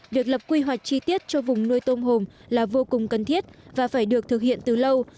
việc lập quy hoạch chi tiết cho vùng nuôi tôm hùm là vô cùng cần thiết và phải được thực hiện từ lâu